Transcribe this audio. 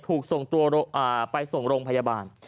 ถูกส่งตัวไปส่งโรงพยาบาล